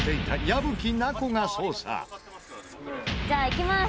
「じゃあいきます！」